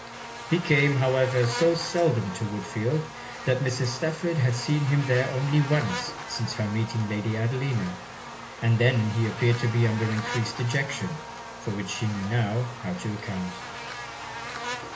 He came, however, so seldom to Woodfield, that Mrs. Stafford had seen him there only once since her meeting Lady Adelina; and then he appeared to be under encreased dejection, for which she knew now, how to account.